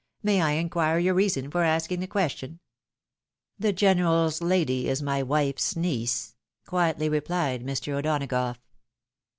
May I inquire your reason for asking the question ?"" The general's lady is my wife's niece,'' quietly rephed Mr. O'Donagough.